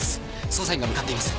捜査員が向かっています。